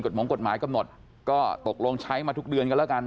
หงกฎหมายกำหนดก็ตกลงใช้มาทุกเดือนกันแล้วกัน